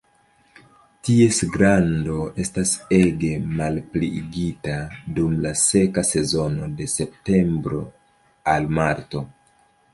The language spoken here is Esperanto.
Ties grando estas ege malpliigita dum la seka sezono de septembro al marto.